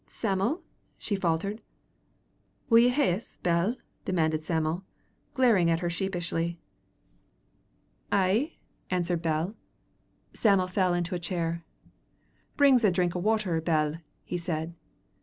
"Sam'l," she faltered. "Will ye hae's, Bell?" demanded Sam'l, glaring at her sheepishly. "Ay," answered Bell. Sam'l fell into a chair. "Bring's a drink o' water, Bell," he said.